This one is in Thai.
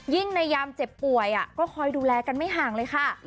ในยามเจ็บป่วยก็คอยดูแลกันไม่ห่างเลยค่ะ